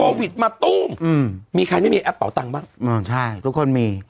วิทมาตู้มอืมมีใครไม่มีแอปเป่าตังค์บ้างอืมใช่ทุกคนมี